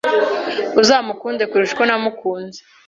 uzamukunda kurusha uko namukunze”